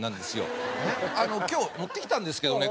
今日持ってきたんですけどね